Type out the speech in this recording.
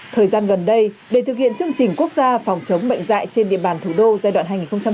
thời gian gần đây để thực hiện chương trình quốc gia phòng chống bệnh dạy trên địa bàn thủ đô giai đoạn hai nghìn hai mươi hai